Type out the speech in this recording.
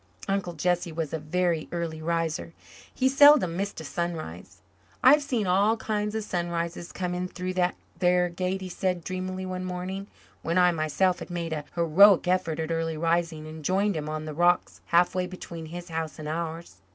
Uncle Jesse was a very early riser. He seldom missed a sunrise. "I've seen all kinds of sunrises come in through that there Gate," he said dreamily one morning when I myself had made a heroic effort at early rising and joined him on the rocks halfway between his house and ours.